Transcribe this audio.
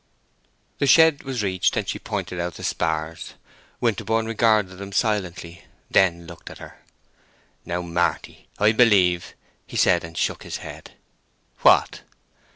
The shed was reached, and she pointed out the spars. Winterborne regarded them silently, then looked at her. "Now, Marty, I believe—" he said, and shook his head. "What?"